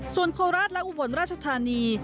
ส่วนโคราชและอุบลราชธานี